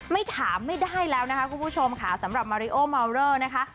ไม่ถามไม่ได้แล้วนะคะคุณผู้ชมค่ะสำหรับมาริโอเมาเลอร์นะคะ